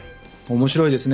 面白いですね。